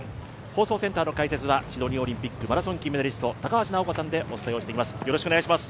放送センターの解説は、シドニーオリンピック・マラソン金メダリスト高橋尚子さんでお伝えをしていきます。